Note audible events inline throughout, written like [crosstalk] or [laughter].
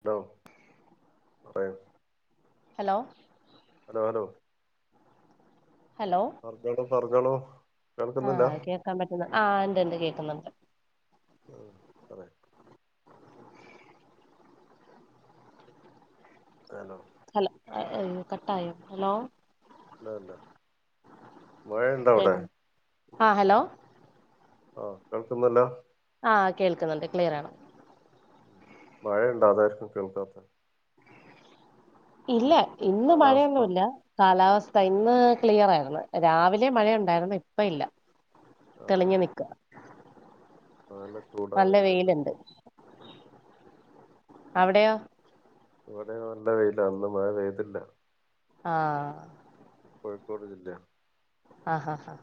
Hello പറയൂ hello hello hello പറഞ്ഞോളൂ പറഞ്ഞോളൂ ആ കേൾക്കുന്നില്ല കേൾക്കാൻ പറ്റുന്ന ആ ഉണ്ട് ഉണ്ട് കേക്കുന്നുണ്ട്. ആ പറെ ആണോ ഹൽ കട്ടായോ ഹലോ നാ നാ മഴണ്ട അവിടെ? ആ ഹലോ ആഹ് കേൾക്കുന്നില്ല ആഹ് കേൾക്കുന്നുണ്ട് ക്ലിയർ ആണ് മഴ ഇണ്ട് അതായിരിക്കും കേിൾക്കാത്ത് ഇല്ലേ ഇന്ന് കാലാവസ്ഥ മഴയൊന്നുവില്ല കാലാവസ്ഥ ഇന്ന് ക്ലിയർ ആര്ന്ന് രാവിലെ മഴ ഒണ്ടാരന്ന് ഇപ്പം ഇല്ല ആഹ് തെളിഞ്ഞു നിക്ക നല്ല ചൂടാ നല്ല വെയിലൊണ്ട് വെയിലുണ്ട് അവിടെയോ? ഇവിടെ നല്ല വെയിലാ ഇന്ന് മഴ പെയ്തില്ല ആഹ് കോഴിക്കോട് ജില്ല ആഹാഹാ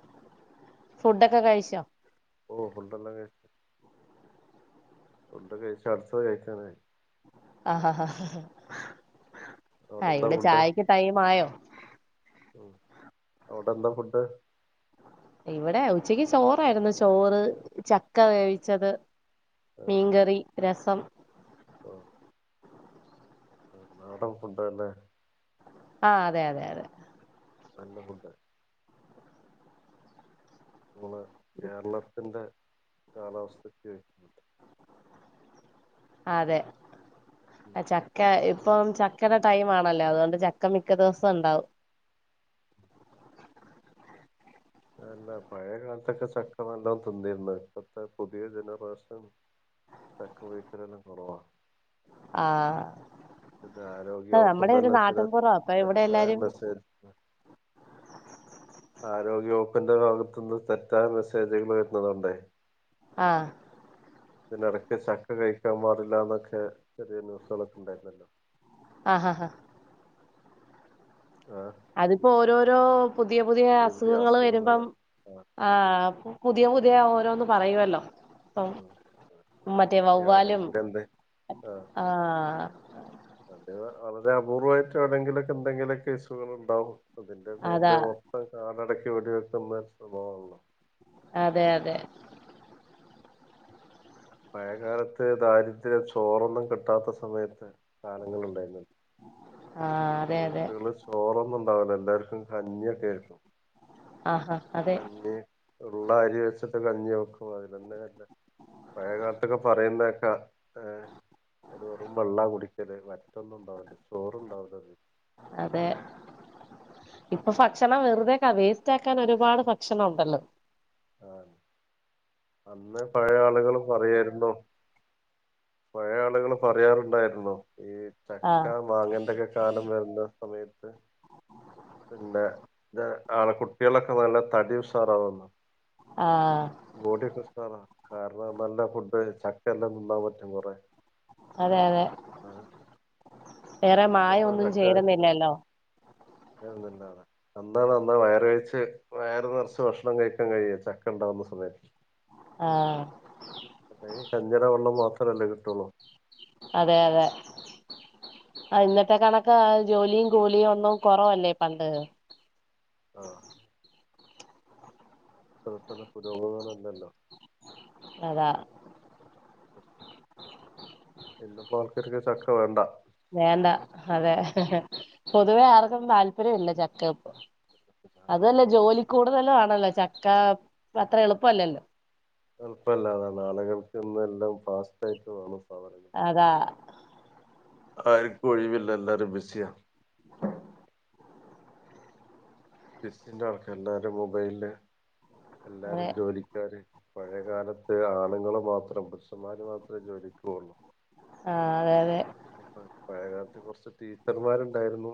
ഫുഡൊക്കെ കഴിച്ചോ ഓ ഫുഡ്‌ എല്ലാം കഴിച്ചു ഫുഡ്‌ കഴിച്ച് അടുത്തത് കഴിക്കാൻ ആയി ആഹ് ആഹ് ആഹാ ആ അവിടെന്താ ഇവിടെ ഫുഡ് ചായക്ക് ടൈം ആയോ ഉം അവിടെ എന്താ ഫുഡ് ഇവിടെ ഉച്ചയ്ക്ക് ചോറായിരുന്നു ചോറ് ചക്ക വേവിച്ചത് മീൻകറി രസം ഓ ആ നാടൻ ഫുഡാലെ ആ അതെ അതെ അതെ നല്ല ഫുഡ് നമ്മളെ കേരളത്തിന്റെ കാലാവസ്ഥക്ക് അതെ ഉം ആ ചക്ക ഇപ്പം ചക്കയുടെ ടൈം ആണല്ലോ അതുകൊണ്ട് ചക്ക മിക്ക ദിവസം ഉണ്ടാവും അല്ല പഴയ കാലത്തൊക്കെ ചക്ക നല്ല തിന്നിരുന്നെ ഇപ്പത്തെ പുതിയ ജനറേഷൻ ചക്ക വേവിക്കല് തന്ന കുറവാ ആഹ് അ ഇപ്പ ആരോഗ്യവകുപ്പ് നമ്മുടെ ഒരു നല്ലതല്ല നാട്ടിൻപുറ അപ്പൊ ഇവിടെ തെറ്റായ എല്ലാരും മെസ്സേജ ആരോഗ്യവകുപ്പിന്റെ ഭാഗത്തുനിന്ന് തെറ്റായ മെസ്സേജുകൾ വരന്നത് കൊണ്ടേ ആഹ ഇതിനിടക്ക് ചക്ക കഴിക്കാൻ പാടില്ലന്നൊക്കെ ചെറിയ ന്യൂസുകളൊക്കെ ഉണ്ടായിരുന്നല്ലോ ആഹ് ആഹ ആഹ ആഹ് അതിപ്പോ ഓരോരോ പുതിയ പുതിയ അസുഖങ്ങൾ വരുമ്പം അസുഖങ്ങള് ആഹ് ആ ഉം പുതിയ പുതിയ ഓരോന്ന പറയുവല്ലോ അപ്പം ഉം മറ്റേ വവ്വലും എവിടെങ്കിലും എന്ത് ആഹ് ആ അത് വളരെ അപൂർവ്വയിട്ട് എവിടെങ്കിലൊക്കെ എന്തെങ്കിലൊ കേസുകൾ ഉണ്ടാവും അതിന്റെ അതാ പേരില് മൊത്തം കാടട ഇവിടെ ഓരോരുത്തൻ മാരുടെ സ്വഭവണല്ലോ. അതെ അതെ പഴയകാലത്ത് ദാരിദ്ര്യ ചോറൊന്നും കിട്ടാത്ത സമയത്ത് കാലങ്ങളുണ്ടായിരുന്നു ആഹ് അതെ അതെ വിട്ട്കളിൽ ചോർ റൊന്നും ഉണ്ടാവില്ല എല്ലാർക്കും കഞ്ഞിയൊക്കെ ആരിക്കും ആഹാ അതെ കഞ്ഞി ഉള്ള അരി വെച്ചി നിട്ട് കഞ്ഞി വെക്കു ആതിലൊന്നേ എല പഴയകാലത്തൊക്കെ പറയുന്നകെക്ക അ വെറും വെള്ള കുടിക്കല് വറ്റൊന്നും ഉണ്ടാവില്ല ചോറണ്ടാവില്ലന്ന് അതെ ഇപ്പൊ ഭക്ഷണം വെറുതെയക്കാ വേസ്റ്റ് ആക്കാൻ ഒരുപാട് ഭക്ഷണം ഉണ്ടല്ലോ ആ അന്ന് പയ്യെ ആളുകൾ പറയരുന്നു പഴയ ആളുകൾ പറയാറുണ്ടായിരുന്നു ഈ ആഹ് ചക്ക മാങ്ങെണ്ടൊക്കെ കാലം വരുന്ന സമയത്ത് പിന്നെഞ ആള കുട്ടികളൊക്കെ നല്ല തടി ഉശാറാവെന്ന ആഹ് ബോഡി ഒക്കെ ഉഷാറ കാരണം നല്ല ഫുഡ് ചക്ക എല്ലാം തിന്നാൻ പറ്റും കൊറെ അതെ അതെ വേറെ മായം ഇന്നിപ്പോ ആ ഒന്നും ചക്ക ആർക്കും ചേരുന്നില്ലല്ലോ. [unintelligible] അന്നാണ് അന്നാ വയറ് കഴിച്ച് വയറ് നിറച്ച് ഭക്ഷണം കഴിക്കാൻ കഴിയ ചക്ക ഉണ്ടാവുന്ന സമയത്ത് ആ അല്ലേൽ കഞ്ഞിടെ വെള്ളം മാത്രമല്ലേ കിട്ടുള്ളൂ അതെ അതെ ആ ഇന്നത്തെ കണക്ക് ജോലിയും കൂലിയും ഒന്നും കുറവല്ലേ പണ്ട് ആഹ് [unintelligible] പുരോഗമനം ഇല്ലല്ലോ അതാ ഇന്ന്പ്പോ ആൾക്കാർക്ക് ചക്ക വേണ്ട വേണ്ട അതെ പൊതുവേ ആർക്കും താല്പര്യം ഇല്ല ചക്കപ് അതല്ല ജോലി കൂടുതലും ആണല്ലോ ചക്ക അത്ര എളുപ്പല്ലല്ലോ എളുപ്പല്ല ആളുകൾക്ക് ഇന്നെല്ലാം ഫാസ്റ്റ് ആയിട്ട് വേണം. സാധനങ്ങൾ അതാ ആർക്കും ഒഴിവില്ല എല്ലാരും ബിസിയാ. ബസിന്റെ ആൾക്ക് എല്ലാരും മൊബൈലില് എല്ലാരും അതെ ജോലിക്കാര് പഴയകാലത്ത് ആണുങ്ങള് മാത്രം പുരുഷന്മാര് മാത്രമേ ജോലിക്ക് പോവുള്ളൂ ആ ഇപ്പപ്പോ മഴകാലത്ത് കുറച്ച് ടീച്ചർമാരുണ്ടായിരുന്നു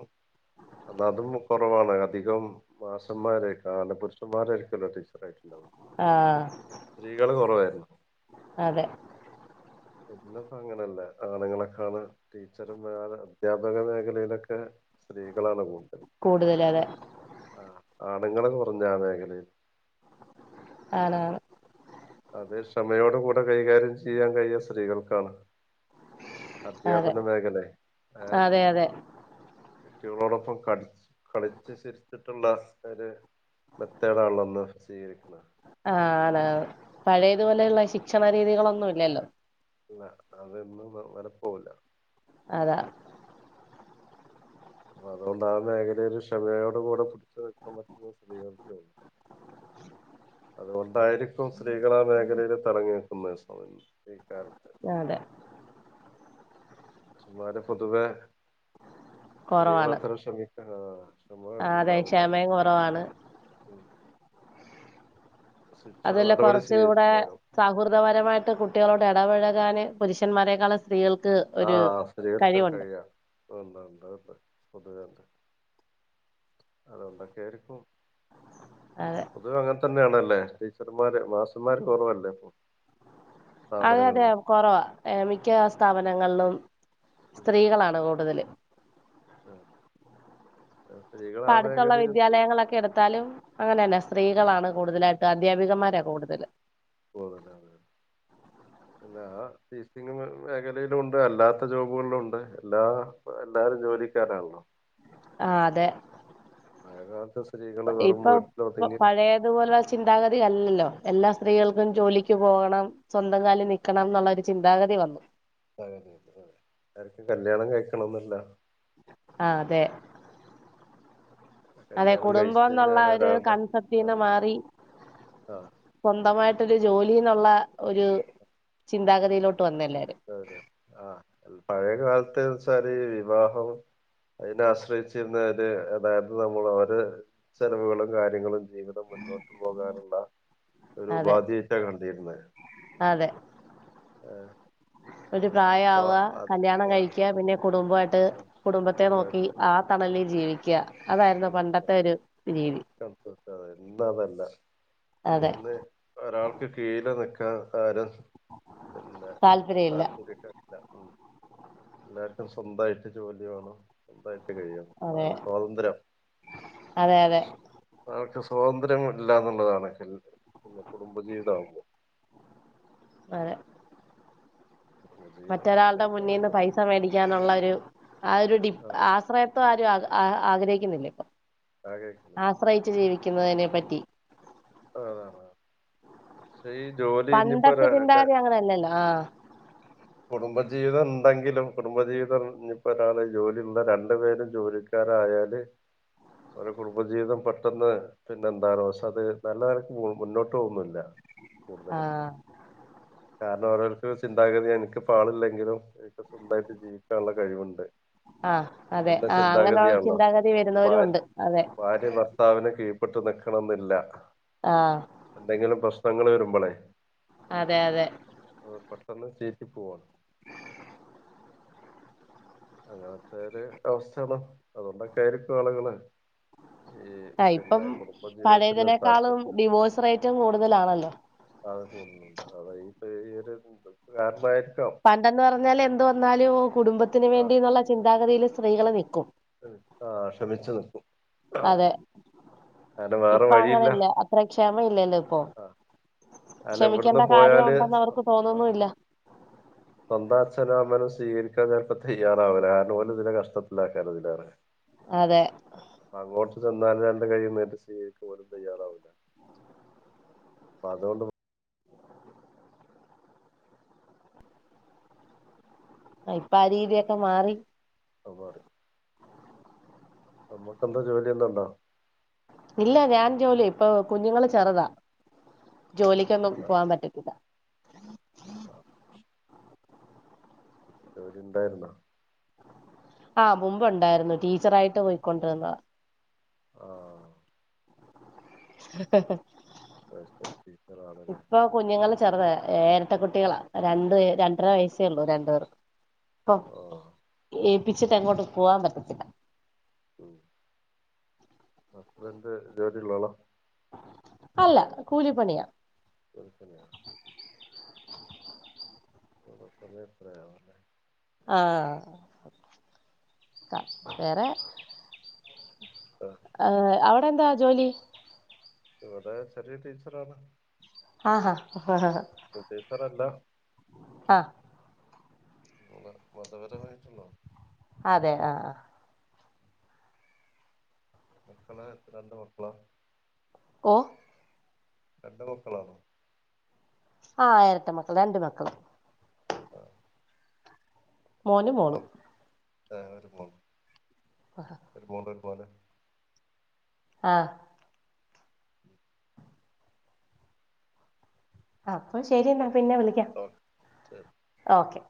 എന്ന അതും കുറവാണ് അധികം മാഷന്മാരെന്നെ പുരുഷന്മാരായിരിക്കോലോ ടീച്ച ായിട്ടുണ്ട [unintelligible] ല്ലോ ആഹ് സ്ത്രീകൾ കൊറവായിരുന്നു ആ അതെ പിന്നെപ്പോ അങ്ങനല്ലേ ആണുങ്ങളൊക്കെയാണ് ടീച്ചറും അദ്ധ്യാപക മേഖലയിലൊക്കെ- സ്ത്രീകളാണ് കൂടുതൽ കൂടുതല് അതെ ആ ആണുങ്ങളെന്നു പറഞ്ഞാ അതാ ഇങ്ങനെ - ആണ് ആണ് അത് ക്ഷമയോട കൂടെ കൈകാര്യം ചെയ്യാൻ കഴിയ സ്ത്രീകൾക്കാണ് അതെ അധ്യാപന മേഖല ഏ അതെ അതെ കുട്ടികളോടൊപ്പം കള കളിച്ച് ചിരിച്ചിട്ടുള്ള ഒരു മെത്തേഡ് ആണല്ലൊ ഇന്ന് സ്വീകരിക്കുന്നത് ആണ് ആണ് പഴയതുപോലെയുള്ള ശിക്ഷണ രീതികളൊന്നുല്ലല്ലോ അല്ല അതൊന്നും വെലപ്പോവില്ല അതാണ് അപ്പ അതുകൊണ്ടാ ആ മേഖലയിൽ ക്ഷമയോട് കൂടെ പിടിച്ചു നിൽക്കാൻ പറ്റുന്ന സ്ത്രീകൾക്ക് അതുകൊണ്ട്- പലർക്കും സ്ത്രീകൾ ആ മേഖലയിൽ തടങ്ങുയാണ് തസ വും [unintelligible] ഈക്കത്ത [unintelligible] അതെ സുമ്മാ [unintelligible] രെ പൊതുവേ സ്ത്രീകൾ അത്ര ക്ഷമി - അഹാ ആ അതെ ക്ഷമയും കോറവാണ് ഉം ശിക്ഷാ അതല്ല നടപടി കോർചൂടെ സ്വീകരിക്കും വേഗം സൗഹൃദപരമായിട്ട് കുട്ടികളോ ഇടപഴകാന് പുരുഷൻമാരെക്കാളും സ്ത്രീകൾ ആ [unintelligible] ഉണ്ട് പൊതുവണ്ട് അതൊണ്ടൊക്കെ ആയിരിക്കും അതെ അത് അങ്ങൻ തന്നെഴാണൽ അല്ലെ ടീച്ചർമാര് മാസന്മാര് കോറവല്ലേ ഇപ്പൊ അതെ അതെ സ്ഥാപനങ്ങളില് കൊറവാ മിക്ക സ്ഥാപന [unintelligible] സ്ത്രീകളാണ് കൂടുതല് ഹ് പ്പ അടുത്തുള്ള വിദ്യാലയങ്ങളൊക്കെ എടുത്താലും അങ്ങനെന്നെ സ്ത്രീകളാണ് കൂടുതലാ അദ്ധ്യാപികന്മാരാ കൂടുതല് എല്ലാ ടീറ്റിങ് മേഖലയിലും ഉണ്ട് അല്ലാത്ത ജോബുകൾ ഉണ്ട് എല്ലാ എല്ലാരും ജോലിക്കാരാണല്ലോ ആ അതെ പഴേ കാല്ത്തെ സ്‌ ഇപ്പൊ പ്പ പഴയതുപോലുള്ള ചിന്താഗതി അല്ലല്ലോ എല്ലാ സ് ത്രീകൾക്കും ജോലിക്ക് പോകണം. സ്വന്തം കാലിൽ നിക്കണം, എന്നുള്ള ഒരു ചിന്താഗതി വന്നു. അതതെതെ അതെ ആർക്കും കല്യാണം കഴിക്കണംന്ന്ല്ല. ആ അതെ. അതെ കല്യാണം കഴിച്ച് കുടുംബം എന്നുള്ള കഴിഞ്ഞാൽ ഒരു ഒരാളുടെ കൺസെപ്റ്റീന്ന് ആഹ് മാറി ആഹ് സ്വന്തമായിട്ട് ഒരു ജോലിന്നുള്ള ഒരു ചിന്താഗതിയിലോ അതെ ആഹ് ൽ പഴയകാലത്ത് ത്തൊരേ വിവാഹം അതിനാശ്രയിച്ചിരുന്നവര് അതായത് നമ്മൾ ര് ചെലവുകളും കാര്യങ്ങളും ജീവിതം മുന്നോട്ടു പോകാനുള്ള ഒരു അതെ ഉപാധിയായ്റ്റ കണ്ടിരുന്നത് അതെ ആഹ് ഒരു പ്രായ ആവാ കല്യാണം ആഹ് കഴിക്ക്യാ പിന്നെ കുടുംബായി ട്ട് കുടുംബത്തെ നോക്കി ആ തണലി ജീവിക്ക്യാ ജീവിക്യാ.... അതെ അതെ.. ഇന്ന് അതല്ല അതെ ഇന്ന് ഒരാൾക്ക് കീഴില് നി ആ ആരാ പിന്നെ താല്പര്യം ഇല്ല താല്പര്യമൊക്കെല്ല ഉം എല്ലാർക്കും സ്വന്തായിട്ട് ജോലി വേണം സ്വന്തായിട്ട് കഴിയണം അതെ അതിന് സ്വാതന്ത്ര്യം അതെ അതെ അവർക്ക് സ്വാതന്ത്ര്യം ഇല്ല ന്നുള്ളതാണ് പിന്നെ കുടുംബജീവിതമാവുമ്പോ അതെ കുടുംബജീവിതം മറ്റൊരാളുടെ ശരിക്കും അങ്ങനെ മുന്നിന്ന് തന്നെ പൈസ മേടിക്കാനോള്ള ഒരു ആ ഒരു ഡി ആഹ് ആശ്രയതം ആ ഒരു ആ ആഗ്രഹിക്കുന്നില്ല ഇപ്പൊ ആ കേൾക്കുന്നുണ്ട് ആശ്രയിച്ചു ജീവി ക്കുന്നതിനെ പറ്റി ആണ് ആണ് പണ്ടത്തെ ചിന്താഗതി അങ്ങനെ അല്ലല്ലോ ആ കുടുംബജീവിതം ണ്ടങ്കിലും കുടുംബജീവിതം ഇപ്പോ ഒരാള് ജോലിള്ള രണ്ടു പേരും ജോലിക്കാരായാല് ഒരു കുടുംബജീവിതം പെട്ടെന്ന് പിന്നെ എന്താലോ ഷേ അത് നല്ലനേലക്ക് മുന്നോട്ട് പോവുന്നുവില്ല ആ കാരണം അവരോർക്ക് ചിന്താഗതി എനിക്ക് പാടില്ലെങ്കിലും എനിക്ക് സ്വന്തായിട്ട് ജീവിക്കാനുള്ള കഴിവോണ്ട് ആ അതെ ആ അങ്ങനൊൾ ചിന്താഗതി അപ്പൊ വരുന്നവരു ഭാര്യ ഒണ്ട് അതെ- പെട്ട് നിൽക്കണമ്ന്നില്ല- ആ എന്തെങ്കിലും പ്രശ് നങ്ങള് വരുമ്പളെ- അതെ അതെ- ചീറ്റി പോകാണ്- അങ്ങനത്തെ ഒരു അവസ്ഥയാണോ അതൊണ്ടൊക്കെ ആയിരിക്കും ആളുകള്- ഈ ആ ഇപ്പം പിന്നെ കുടുംബ ജീവിതത്തിന് പഴയതിനേക്കാളും താല്പര്യം ഡിവോഴ്സ് റേറ്റ് കൂടുതലാണല്ലോ? അത കൂടുന്നുണ്ട് അത ഈ ഈ ഒരു കാരണമായിരി പണ്ടന്ന് പറഞ്ഞാല് എന്ത് വന്നാലും- കുടുംബത്തിന് ആഹ് വേണ്ടിന്നുള്ള ചിന്താഗതിയിൽ- സ്ത്രീകള് നിക്കും- ആ ക്ഷമിച്ചു നിൽക്കും- അതെ കാരണം ഇപ്പ വേറെ വഴിയില്ല അങ്ങനെല്ല അത്ര ക്ഷമ ഇല്ലല്ലോ ഇപ്പൊ ആ കാരണം ഇവിടുന്ന് ക്ഷമിക്കേണ്ട കാര്യം പോയാല് ഉണ്ടെന്ന് അവർക്ക് ആ തോനുന്നുല്ല- സ്വന്തം അച്ഛനും അമ്മാനെ സ്വീകരിക്കാൻ നേര തയ്യറാവില്ല കാരണം ഓര് ഇതില് കഷ്ടത്തിലാക്ക് കേറതിലാണ്- അതെ ന്നാല് രണ്ട് കയ്യും നീട്ടി സ്വീകരിക്കാ പോലും തയ്യാറാവുല പ്പ അതൊണ്ട് ആ ഇപ്പ ആ രീതിയൊക്കെ മാറി മാറി നമ്ക്ക് എന്താ ജോലി എന്താണ്ടോ ഇല്ല ഞാൻ ജോലി ഇപ്പൊ കുഞ്ഞുങ്ങള് ചെറ്താ ജോലിക്കൊന്നും ആ പോവാൻ പറ്റത്തില്ല ആ ജോലി ഉണ്ടായിര്ന്നാേ? ആ മുമ്പ് ഉണ്ടായ്രുന്നു ടീച്ചർ ആയിട്ട് പൊയ്ക്കൊണ്ട്ര്ന്നതാ ആ അത് ശരി ടീച്ചറാണല്ലേ ഇപ്പൊ കുഞ്ഞുങ്ങള് ചെറ്താ ഏരട്ട കുട്ടികളാ രണ്ട് രണ്ടര വയസ്സേയൊള്ളു രണ്ട്പേർക്കും [unintelligible] ആ പ്പിച്ചിട്ട് എങ്ങോട്ടും പോവാം പറ്റത്തില്ല ഉം ഹസ്ബന്റ് ജോലിള്ളാളാ അല്ല കൂലിപ്പണിയാ കൂലിപ്പണിയാ പ്പം അത്രേ പ്രയാണല്ലേ ആ വേറെ ആ അവ ടെന്താ ജോലി ഇവിടെ ചെറിയ ടീച്ചറാണ് ആഹ ഹഹ ആഹ സ്കൂൾ ടീച്ചറല്ല ആഹ് [unintelligible] മ മതപരമായിട്ടുണ്ടോ അതെ ആഹ മക്കളാ എത്ര എന്ത മക്കളാ വ രണ്ട് മക്കളാണോ ആഹ ആയിരത്ത മക്കള രണ്ട് മക്കളും ആഹ് മോനും മോളു ഏ ഒരു മൂന്ന് ച പോണ്ട ആഹ ഉം അപ്പൊ ശരി എന്നാ ഓ പിന്നെ വിളിക്കാം ഓ ശരി ഓക്കെ